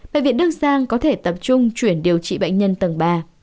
bệnh viện đức giang có thể tập trung chuyển điều trị bệnh nhân tầng ba